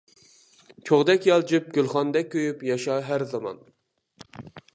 چوغدەك يالجىپ گۈلخاندەك كۆيۈپ ياشا ھەر زامان.